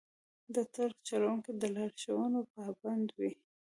د ټرک چلوونکي د لارښوونو پابند وي.